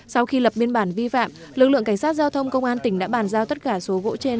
sau khi lập biên bản vi phạm lực lượng cảnh sát giao thông công an tỉnh đã bàn giao tất cả số gỗ trên